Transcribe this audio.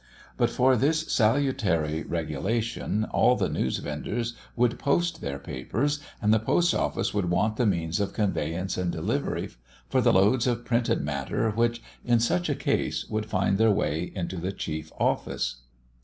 But for this salutary regulation, all the news vendors would post their papers, and the Post office would want the means of conveyance and delivery for the loads of printed matter which, in such a case, would find their way into the chief office.